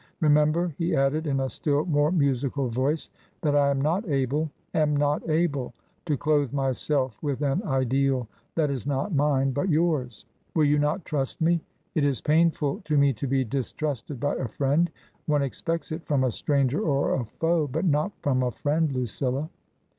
Remember," he added, in a still more musical voice, "that I am not able — am not able — to clothe myself with an ideal that is not mine, but yours. Will you not trust me ? It is painful to me to be distrusted by a friend ; one expects it from a stranger or a foe, but not from a friend, LuciUa